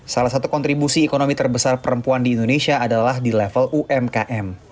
salah satu kontribusi ekonomi terbesar perempuan di indonesia adalah di level umkm